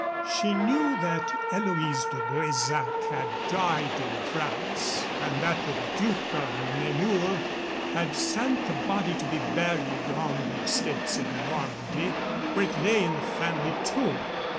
She knew that Eloise de Bresac had died in France and that the Duke of Nemours had sent the body to be buried on the estates in Normandy, where it lay in the family tomb.